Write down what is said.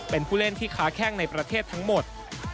เป็นผู้เล่นที่ค้าแข้งในประเทศทั้งหมด